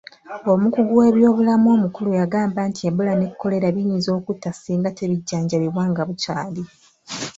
Omukugu w'ebyobulamu omukulu yagamba nti Ebola ne Kolera biyinza okutta singa tebijjanjabibwa nga bukyali.